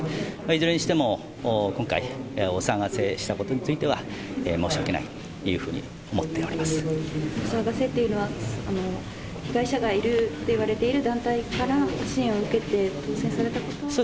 いずれにしても、今回、お騒がせしたことについては、申し訳ないというふうに思っておりお騒がせというのは、被害者がいるといわれている団体から支援を受けて当選されたこと。